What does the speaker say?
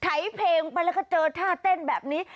ถ่ายเพลงไปแล้วก็เจอท่าเต้นแบบนี้